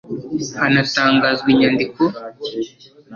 hanatangazwa inyandiko